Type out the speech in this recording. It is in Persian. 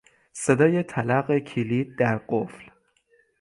صدای تلق کلید در قفل